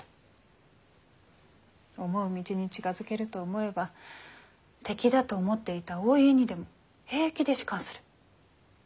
思う道に近づけると思えば敵だと思っていたお家にでも平気で仕官する。